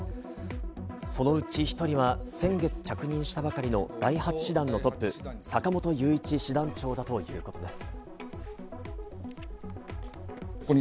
そのうち１人は先月着任したばかりの第８師団のトップ、坂本雄一師団長だということです。